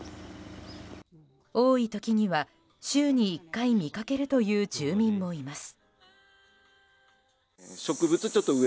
多い時には週に１回見かけるという住民もいます。